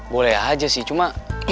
boleh aja sih cuma